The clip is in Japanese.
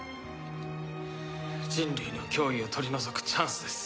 人類の脅威を取り除くチャンスです。